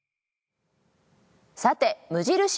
さて無印